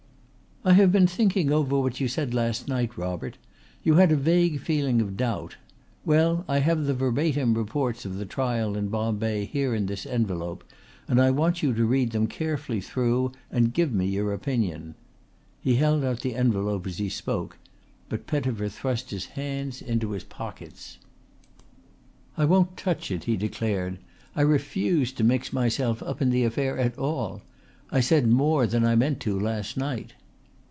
"I have been thinking over what you said last night, Robert. You had a vague feeling of doubt. Well, I have the verbatim reports of the trial in Bombay here in this envelope and I want you to read them carefully through and give me your opinion." He held out the envelope as he spoke, but Pettifer thrust his hands into his pockets. "I won't touch it," he declared. "I refuse to mix myself up in the affair at all. I said more than I meant to last night."